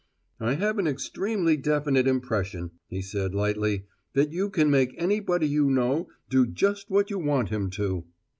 "I have an extremely definite impression," he said lightly, "that you can make anybody you know do just what you want him to."